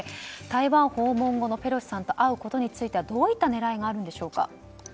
台湾訪問後のペロシさんと会うことについてはどんな狙いがありますか？